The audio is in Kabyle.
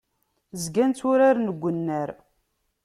Zgan tturaren deg unnar.